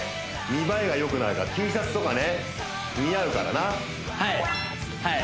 見栄えがよくなるからＴシャツとかね似合うからなはいはい